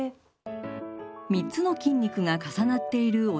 ３つの筋肉が重なっているお尻